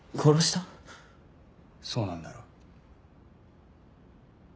そうなんだろ？